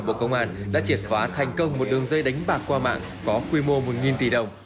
bộ công an đã triệt phá thành công một đường dây đánh bạc qua mạng có quy mô một tỷ đồng